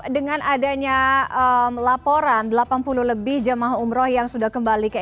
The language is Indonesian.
dengan adanya laporan delapan puluh lebih jemaah umroh yang sudah kembali ke